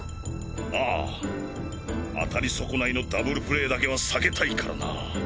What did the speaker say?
ああ当たり損ないのダブルプレーだけは避けたいからな。